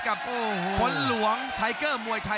กับคนหลวงไทเกอร์มวยไทย